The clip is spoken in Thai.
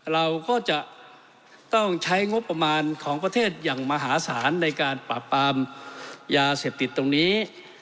เราก็จะต้องใช้งบประมาณของประเทศอย่างมหาศาลในการปราบปรามยาเสพติดตรงนี้